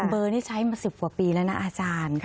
เบอร์นี้ใช้มา๑๐กว่าปีแล้วนะอาจารย์